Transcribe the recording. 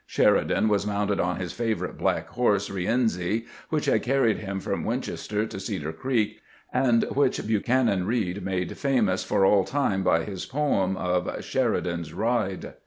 Sheridan was mounted on his favorite black horse, "Rienzi," which had carried him from Winchester to Cedar Creek, and which Buchanan Read made famous for all time by his poem of " Sheridan's Ride."